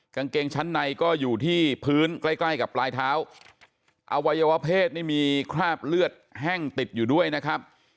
กางเกงชั้นในก็อยู่ที่พื้นใกล้ใกล้กับปลายเท้าอวัยวะเพศนี่มีคราบเลือดแห้งติดอยู่ด้วยนะครับ